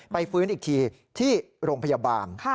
ฟื้นอีกทีที่โรงพยาบาล